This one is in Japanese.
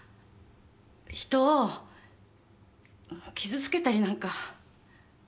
人を傷つけたりなんか。